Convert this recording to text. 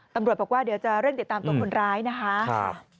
ตำรวจบอกว่าเดี๋ยวจะเร่งติดตามตัวคนร้ายนะคะ